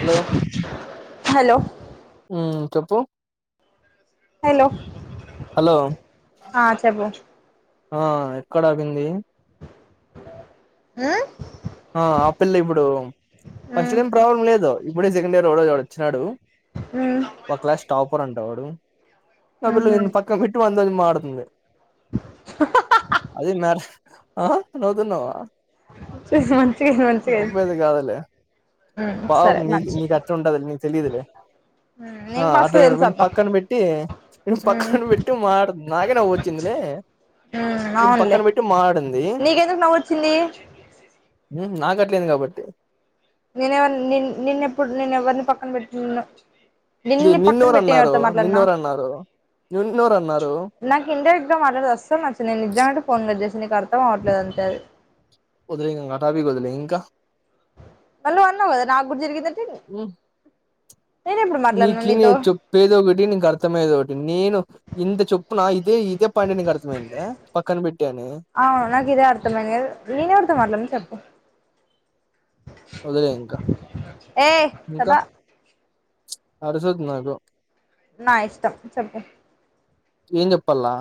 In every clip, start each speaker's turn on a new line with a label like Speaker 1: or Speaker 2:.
Speaker 1: Hello
Speaker 2: hello
Speaker 1: హ్మ్మ్ చెప్పు
Speaker 2: hello
Speaker 1: hello
Speaker 2: ఆ చెప్పు
Speaker 1: ఆ ఎక్కడ ఆగింది
Speaker 2: హ్మ్మ్
Speaker 1: ఆ ఆ పిల్ల ఇప్పుడు ఫస్ట్లో ఏం ప్రాబ్లం లేదు ఇప్పుడే సెండ్ ఇయర్ [unintelligible] వచ్చినడు
Speaker 2: మ్మ్
Speaker 1: తొక్లో స్టపర్ అంట వాడు ఆ పిల్లేంద్ పక్కకు పెట్టి వాన్తోని మాట్లాడుతుంది. అది నర్స్ ఆహా నువ్వుతున్నావా?
Speaker 2: చూసి మంచిగా మంచిగా
Speaker 1: నవ్వేది కాద్లే
Speaker 2: మ్మ్ సరే
Speaker 1: పాపం నీక్
Speaker 2: మంచిది
Speaker 1: నీ అచ్చ ఉంటది నీకు తెలియదులే ఆ
Speaker 2: నీకు
Speaker 1: అట్లా
Speaker 2: మస్తు తెలుసు
Speaker 1: నే
Speaker 2: అబ్బా
Speaker 1: పక్కన పెట్టి హ్యే నువ్వు పక్కన పెట్టి మాటతుంది నాకే నవ్వు వచ్చిందిలే నను
Speaker 2: అవునులే
Speaker 1: పక్కన పెట్టి మటడింది.
Speaker 2: నీకెందుకు నవ్వు వచ్చింది
Speaker 1: నీక్ నాకట్లేదు కాబట్టి
Speaker 2: నేనెవరి నేన్ నిన్నెప్పుడు నేను ఎవరిని పక్కన పెట్టిన్న
Speaker 1: ఇది
Speaker 2: నిన్ను పక్కన
Speaker 1: నిన్నెవరు
Speaker 2: పెట్టి
Speaker 1: అన్నారు
Speaker 2: ఎవరితో మాట్లాడినా
Speaker 1: నిన్నెవరు అన్నారు నిన్నెవరు అన్నారు
Speaker 2: నాకు ఇండైరెక్ట్ గా మాట్లాడ్తే అసల్ నచ్చద్ నేను నిజాంగాంటే ఫోన్ కట్ నీక్ అర్థం అవట్లేదు అంతే అది
Speaker 1: వదిలేయ్ ఇగా ఆ టాపిక్ వదిలేయ్ ఇక
Speaker 2: మళ్ళా అన్నవ్ గదా నాకూడా జరిగిందని మాట్లాడినా
Speaker 1: నీకి
Speaker 2: నీతో
Speaker 1: నేన్ చెప్పేది ఒక్కటి నీకు అర్థమయ్యేద్ ఒకటి నేను ఇంత చొప్పు నా దే ఇదే పండినికి అర్థమైందా పక్కనపెట్టి
Speaker 2: అవును నాకు ఇదే అర్థమైనది గదా నేను ఎవర్తో మాట్లాడినా చెప్పు
Speaker 1: వదులేయింకా
Speaker 2: ఏ
Speaker 1: ఇంకా
Speaker 2: చెప్పా
Speaker 1: ప్చ్ అడుసొద్దునాకు
Speaker 2: నా ఇష్టం చెప్పు
Speaker 1: ఏం చెప్పల్లా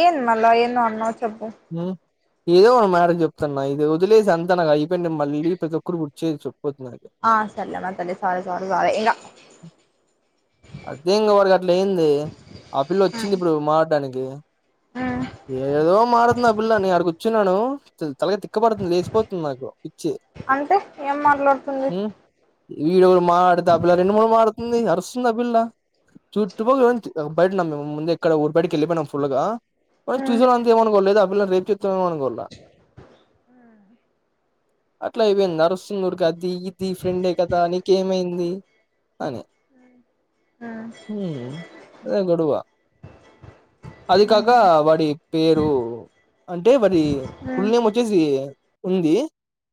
Speaker 2: ఏన్ మల్ల ఏందో అన్నావ్ చెప్
Speaker 1: హ్మ్ ఏదో మేరేజ్ చెప్తున్న ఇది వదిలేసి అంతా నాకు అయిపోయింది మళ్ళీ ప్రతి ఒక్కటీ గుర్తుచేయచ్చు
Speaker 2: ఆ సరేలేమ తల్లి సారి సారి సారే ఇంకా
Speaker 1: అదే ఇంగ వడికి అట్లా ఏ్యంది ఆ పిల్ల వచ్చింది ఇప్పుడు మాడ్డానికి
Speaker 2: మ్
Speaker 1: ఏదో మాటాడుతుంది ఆ పిల్ల నేను ఆడ కుర్చున్నాను తెల్ తలగాయ తిక్క పడుతుంది లేచిపోతుంది నాకు పిచ్చి
Speaker 2: అంటే ఏం మాట్లాడుతుంది
Speaker 1: హ్మ్ వీడెడో మాడుత ఆ పిల్ల రెండు మూడు మాట్లాడుతుంది అరుస్ గుళ్ళ చుత్తు పో నుంచి ఆ బయట ఉన్నం మేము ముందె ఇక్కడ ఊరూ బయటికెళ్ళిపోయినాం ఫుల్ గా, వా
Speaker 2: మ్
Speaker 1: చూసే వాళ్ అంతా ఏం అనుకోవాలి లేద్ ఆ పిల్ల న్ రేప్. సోమన్ గుళ్ళ అట్లా అయివింద్ అరుస్తున్ దుర్గ అద్ తీయి తీయి ఫ్రెండే కదా నీకేమైంది అని
Speaker 2: మ్
Speaker 1: హామ్ అదే గొడవ అది కాక, వాడి పేరు అంటే వాడి ఫుల్
Speaker 2: మ్
Speaker 1: నేమ్ వచ్చేసి. ఉంది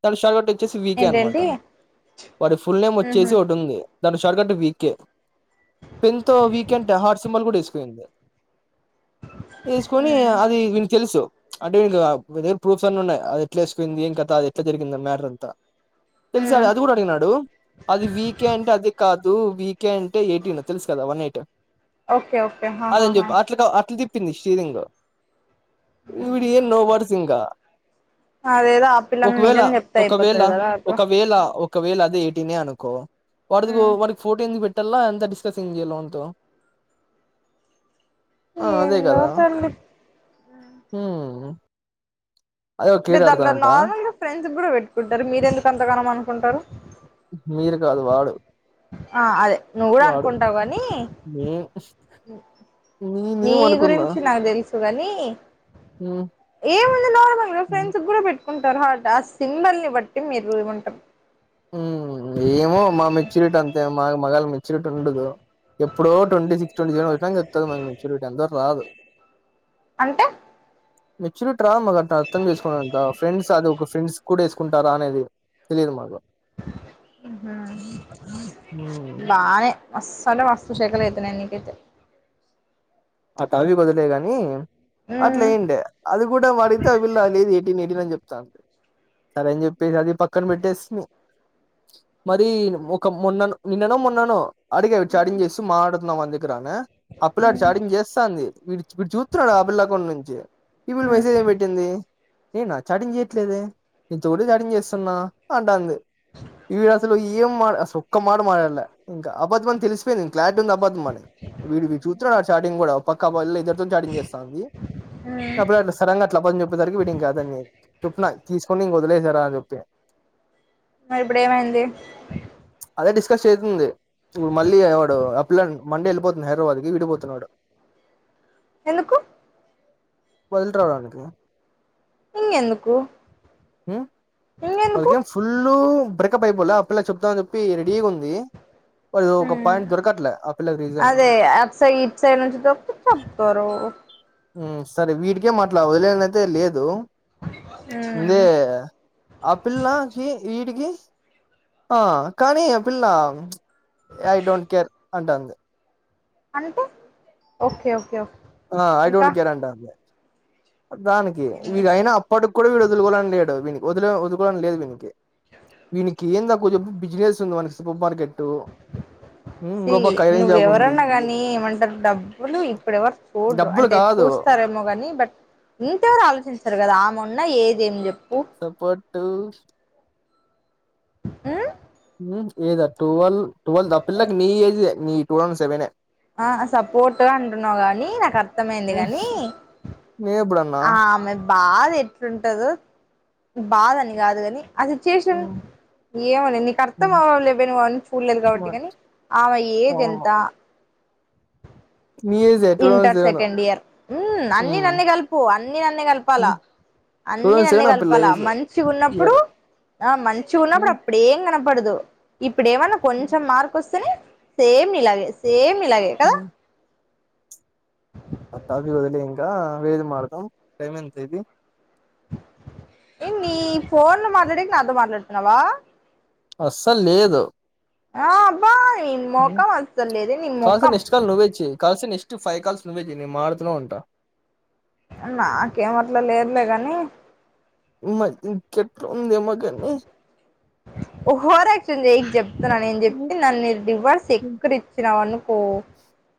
Speaker 1: తన్ షాగట్ వచ్చేసి వీకే అనమాట
Speaker 2: ఏంటేంటి
Speaker 1: వారి ఫుల్ నేమ్
Speaker 2: మ్హు
Speaker 1: వచ్చేసి ఒటి ఉంది దాను షార్ట్ కట్ వీకే పెన్ తో వీకెంట్ హార్ట్ సింబల్ కూడా ఏస్ ఫోయిందా ఏసుకొని
Speaker 2: మ్
Speaker 1: అది వీన్ తెలుసు అంటే ఇంకా వీళ్ దగ్గర ప్రూఫ్స్ అన్ ఉన్నాయి, అది ఎట్లా ఏసుకుయింది ఏం కథా అది ఎట్లా జరిగింది మ్యాటర్ంతా. తెలిసా ఆడ్
Speaker 2: మ్
Speaker 1: అది కూడా అడిగినాడు అది వీకే అంటే అది కాద్ దు వీ కే అంటే ఎయిటీన్ తెలుసు కదా వన్ ఎయిట్
Speaker 2: ఓకే ఓకే
Speaker 1: అదేం
Speaker 2: హాహాహా
Speaker 1: చెప్పు అట్లా అట్ల తిప్ తింది షీరింగు ఇవిడు ఏ నోవర్స్ ఇంకా
Speaker 2: అదేదో ఆ పిల్లని
Speaker 1: ఒకవేళ
Speaker 2: నిజం చెప్తే
Speaker 1: ఒకవేళ
Speaker 2: అయిపోతది కదా అట్లా
Speaker 1: ఒకవేళ ఒకవేళ అది టినే అనుకో వాడిది బో
Speaker 2: మ్
Speaker 1: వాడిది ఫోటో ఎందుకు పెట్ టల్లా అంత డిస్కసింగ్ చెయ్యాలా వానితో ఆ అదే
Speaker 2: ఏందో
Speaker 1: కదా
Speaker 2: తల్లి
Speaker 1: ఊ
Speaker 2: టే దాంట్లో నార్మల్ గా ఫ్రెన్ సు కూడా పెట్టుకుంటారు మీరెందుకు అంతగానం అనుకుంటారు
Speaker 1: మీరు కాదు వాడు
Speaker 2: ఆ అదే నువ్వూ
Speaker 1: వాడు
Speaker 2: అనుకుంటావు గానీ
Speaker 1: నే
Speaker 2: నీ
Speaker 1: నేనేమనుకున్నా
Speaker 2: గురించి నా తెలుసు తు అని
Speaker 1: హ్మ్
Speaker 2: ఏముంది న
Speaker 1: హ్మ్
Speaker 2: ఫ్రెండ్స్ కూడా పెట్ కుంటారు హట్ ఆ సింబల్ ని బట్టి మీరు చేయమంటారు
Speaker 1: ఊ ఏమో మా మెచ్యూరిటీ అంతే మా మగాళ్ళ మెచ్యూరిటీ ఉండదు ఎప్పుడో ట్వంటీ సిక్స్ ట్వంటీ సెవెన్ వచ్చినంక వత్తది మాకు మెచ్యూరిటీ అందాక రాదు
Speaker 2: అంటే
Speaker 1: మెచ్చురిట్ మా అ అర్థం చేసుకోంతా ఫ్రెంస్ అద ఒక ఫ్రెంస్ కూడా కుంటారా అనేది తెలిదు మాకు
Speaker 2: ఊహు
Speaker 1: హ్మ్
Speaker 2: లానే మసాల వాస్తుశేఖరలు అయితున్నా ఎన్నికతే
Speaker 1: అ టాపిక్ వదిలెయ్ గాని అట్లే
Speaker 2: ఉమ్
Speaker 1: ఉండే అది కూడా అడిగితే ఆ పిల్ల లేదు ఎయిటీన్ ఎయిటీన్ అని చెప్త సరేని చెప్పేసి అది పక్కన పెట్టేస్తు మరి ఒక మొన్నను నిన్ననో మొన్ననో అడిగావి చాటింగ్ చేస్తూ మాట్లాడుతున్నాం అంది రానా అప్పుడే అడు
Speaker 2: ఉమ్
Speaker 1: చాటింగ్ చెస్ట్ వీడు చూస్తున్నాడు ఆ పిల్ల అకౌంట్ నుంచి ఈ పిల్ల మెసేజ్ ఏం పెట్టింది నేనా చాటింగ్ చేయట్లేదే నేను ఒకటే చాటింగ్ చేస్తున్నా అంటంది ఈడు అసలు ఏం మాట్లాడ్ ఒక్క మాట మాట్లాడలే ఇంక అబద్ధం అని తెలిసిపోయింది క్లారిటీ ఉంది అబద్ధంని వడి చూన్నాడు ఆ స్టార్టింగ్ కూడా పక్క వాళ ఇద్దరితో చాటింగ్ చేస్తాంది
Speaker 2: ఉమ్
Speaker 1: అప్పుడు అ సడన్ అట్లా పని చెప్పేసరికి వీటి ఇంకాదని చెప్పు తీసుకొని ఇంక వదిలేసెయ్ రా అని చెప్పి
Speaker 2: మరి ఇప్పుడు ఏమైంది
Speaker 1: అదే డిస్కస్ చేతుంది ఇప్పుడు మళ్ళీ వాడు అ పిల్లన్ మండే ఎళ్ళిపోతుంది హైడ్రాబాద్ కి వీడూ పోతున్నాడు
Speaker 2: ఎందుకు
Speaker 1: వదిలి త్రావడానికి
Speaker 2: ఇంగెందుకు
Speaker 1: ఊ
Speaker 2: ఇంగెందుకు
Speaker 1: ఐతే ఫుల్లూ బ్రే కు బైపల్లా ఆ పిల్లా చెప్తాది కు టీ రెడీ ఉంది మరి ఒక
Speaker 2: ఉమ్
Speaker 1: పాంట్ దొరకట్లే ఆ పిల్లకి డిజైన్
Speaker 2: చెప్పు తరు
Speaker 1: సరే వీడికే మాట్లా వదిలే దైతే లేదు
Speaker 2: ఉమ్
Speaker 1: ఇదే ఆ పిల్లాకి వీడికి హ కానీ పిల్ల య ఐ డోంట్ కేర్ అంటాంది
Speaker 2: అనుకో ఓకే ఓకే ఓక్
Speaker 1: అ ఐ డోంట్ కేర్ అంట ప్రతి దానికి
Speaker 2: ఏం
Speaker 1: వీడయినా
Speaker 2: చేస్తాం
Speaker 1: అప్పటికి కూడా వీడు వదులుకోన్ లేడు వ వదుకోని లేదు వీనికి వీనికి ఏందకు బిజినెస్ ఉంది మనకి సూపర్ మార్కెట్ హ్మ్
Speaker 2: ఒసై
Speaker 1: ఇంకో పక్క ఐరన్ షాప్ ఉంది
Speaker 2: నువ్వెవరన్నగాని ఏమంటారు డబ్బులు ఇప్పుడు వరు చూడ్రు
Speaker 1: డబ్బులు
Speaker 2: అంటే
Speaker 1: కాదు
Speaker 2: చూస్తారేమో కాని బట్ ఇంకేవరు ఆలోచిస్తారు కదా ఆ మొన్న ఏ దీన్ చెప్ [unintelligible]
Speaker 1: సపోర్ట్ టు [inaudible]
Speaker 2: మ్
Speaker 1: ఏద టువ్వల్ టువల్ ద పిల్లకి నీ ఏజె నీ డువమ్ సెవె నె
Speaker 2: ఆ సపోర్ట్ గ అంటున్నావు గానీ నాకు అర్థమైంది గానీ
Speaker 1: నేను ఎప్పుడన్నా
Speaker 2: ఆ అమె బాధ ఎట్లుంటుందో బాధ అని కాదు కాని ఆ సిచ్యుయేషన్
Speaker 1: హ్మ్
Speaker 2: ఏమోలే నీకు అర్థం
Speaker 1: హ్మ్
Speaker 2: అవ్వలే బె నువ్ అవన్ని చూడలేదు కాబట్టి
Speaker 1: మరి
Speaker 2: కానీ ఆమె ఏజ్
Speaker 1: అవును
Speaker 2: ఎంత
Speaker 1: నీ ఏజే two thousand
Speaker 2: inter
Speaker 1: seven
Speaker 2: second year ఉమ్ అన్నీ
Speaker 1: హ్మ్
Speaker 2: నన్నే కలిపి కు అన్ని అన్ని కలపాలా
Speaker 1: టూ
Speaker 2: అన్ని
Speaker 1: థౌసండ్
Speaker 2: నన్నే
Speaker 1: సెవెన్ ఆ పిల్ల
Speaker 2: కలపాల
Speaker 1: ఏజు
Speaker 2: మంచిగా ఉన్నప్పుడు
Speaker 1: ఇయర్
Speaker 2: ఆ మంచిగా ఉన్నప్పుడు
Speaker 1: హ్మ్
Speaker 2: అప్పుడేం కన పడదు ఇప్పు ఇప్పుడు ఏమైన్న కొంచెం మార్పు వస్తేనే సేమ్ నీ లాగె సేమ్ మిలాగే కద
Speaker 1: హ్మ్ ఆ టాపిక్ వదిలే ఇంకా వేది మారదం టైం ఎంత అయ్యింది
Speaker 2: ఏం నీ ఫోన్ లో మాట్లాడక నా తొ మాట్లాడుతున్నావా
Speaker 1: అస్సల్ లేదు
Speaker 2: ఆ అబ్బాయ్ ని ముఖం అసర్లేద ని ముఖం
Speaker 1: ఇ ఫై కాల్స్ నువ్వవుతే మతున్నా ఉంట
Speaker 2: నాకేమట్లా లేదులే ని
Speaker 1: ట్
Speaker 2: ఓహోర్ యాక్చున్ జయకి చెప్తాన్నా నేను చెప్తే నన్నురు డివర్స్ ఎక్కడి ఇచ్చినావన్ను పో